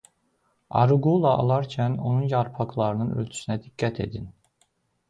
Aruqula alarkən onun yarpaqlarının ölçüsünə diqqət edin.